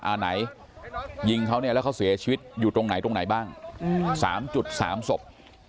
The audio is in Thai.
ไหนยิงเขาเนี่ยแล้วเขาเสียชีวิตอยู่ตรงไหนตรงไหนบ้าง๓๓ศพ